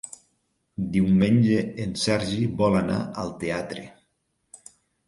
Diumenge en Sergi vol anar al teatre.